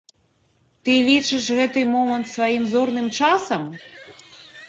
Ты лічыш гэты момант сваім зорным часам?